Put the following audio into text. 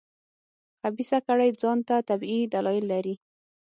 خبیثه کړۍ ځان ته طبیعي دلایل لري.